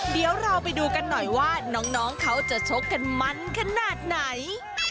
เดี๋ยวเราไปดูกันหน่อยว่าน้องเขาจะชกกันมันขนาดไหน